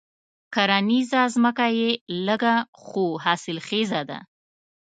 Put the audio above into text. کرنيزه ځمکه یې لږه خو حاصل خېزه ده.